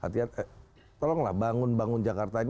artinya tolonglah bangun bangun jakarta ini